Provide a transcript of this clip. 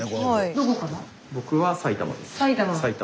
どこから？